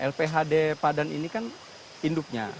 lphd padan ini kan induknya